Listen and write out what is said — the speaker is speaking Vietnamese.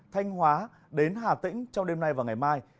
thanh hóa đến hà tĩnh trong đêm nay và ngày mai